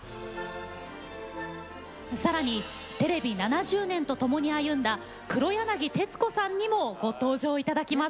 さらにテレビ７０年とともに歩んだ黒柳徹子さんにもご登場いただきます。